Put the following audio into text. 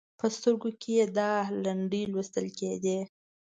په سترګو کې یې دا لنډۍ لوستل کېدې: